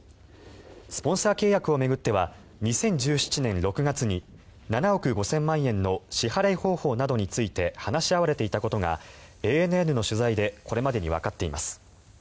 スポンサー契約を巡っては２０１７年６月に７億５０００万円の支払い方法などについて話し合われていたことがＡＮＮの取材でこれまでにわかっています。